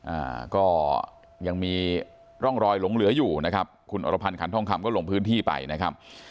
อ่าก็ยังมีร่องรอยหลงเหลืออยู่นะครับคุณอรพันธ์ขันทองคำก็ลงพื้นที่ไปนะครับ